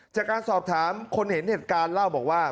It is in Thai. จากการสอบถามคนเห็นเหตุการณ์เล่าบอกว่า